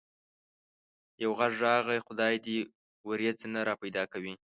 يو غږ راغی: خدای دي وريځ نه را پيدا کوي.